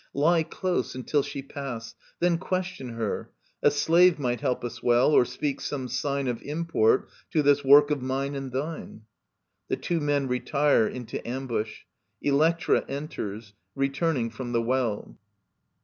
Lie close until she pass ; then question her. A slave might help us well, or speak some sign Of import to this work of mine and thine. [The two men retire into ambush. Elbctra entersy returning from the well.